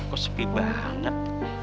kok sepi banget